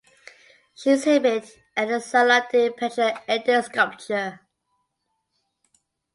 She exhibited at the Salon de peinture et de sculpture.